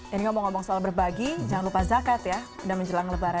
ini ngomong ngomong soal berbagi jangan lupa zakat ya udah menjelang lebaran